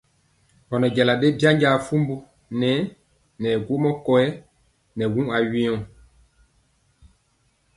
Ɔ nɛ jala byanja fumbu nɛ gwɔmbɔ kolɔ wuŋ kɔyɛ.